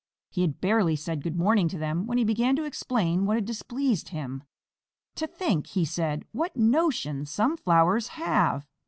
He had barely said "Good morning" to them when he began to explain what had displeased him. "To think," he said, "what notions some flowers have!